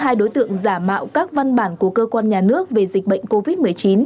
hai đối tượng giả mạo các văn bản của cơ quan nhà nước về dịch bệnh covid một mươi chín